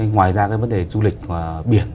ngoài ra vấn đề du lịch biển